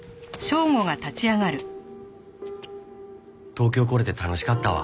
東京来れて楽しかったわ。